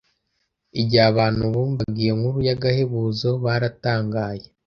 igihe abantu bumvaga iyo nkuru y’agahebuzo baratangaye